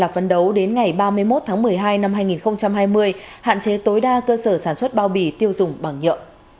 phấn đấu đến ngày ba mươi một tháng một mươi hai năm hai nghìn hai mươi hạn chế tối đa cơ sở sản xuất bao bì tiêu dùng bằng nhựa